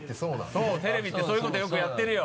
そうテレビってそういう事よくやってるよ。